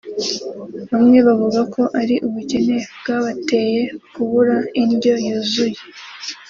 Bamwe bavuga ko ari ubukene bw’abateye kubura indyo yuzuye